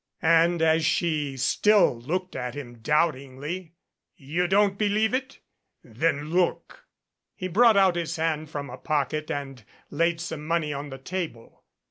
And, as she still looked at him doubtingly, "You don't believe it? Then look!" He brought out his hand from a pocket and laid some money on the table.